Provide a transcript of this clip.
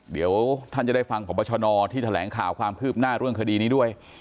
เดี๋ยวท่านจะได้ฟังพบชนที่แถลงข่าวความคืบหน้าเรื่องคดีนี้ด้วย